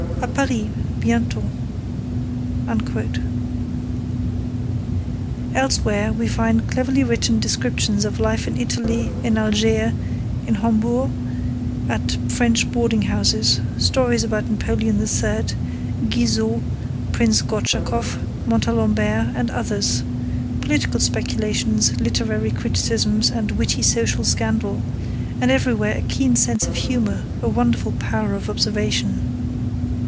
A Paris, bientot. Elsewhere, we find cleverly written descriptions of life in Italy, in Algiers, at Hombourg, at French boarding houses; stories about Napoleon III., Guizot, Prince Gortschakoff, Montalembert, and others; political speculations, literary criticisms, and witty social scandal; and everywhere a keen sense of humour, a wonderful power of observation.